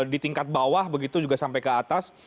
di tingkat bawah begitu juga sampai ke atas